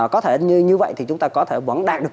có thể như vậy thì chúng ta vẫn đạt được